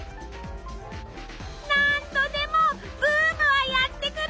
何度でもブームはやって来る！